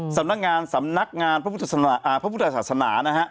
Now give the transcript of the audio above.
สำนักงานพระพุทธศาสนานะฮะ